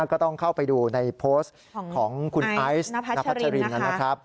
ก็ต้องเข้าไปดูในโพสต์ของคุณไอซ์นพัชรินนะครับ